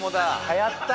はやった。